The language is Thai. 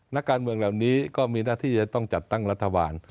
นักการเมืองเหล่านี้ก็มีหน้าที่จะต้องจัดตั้งรัฐบาล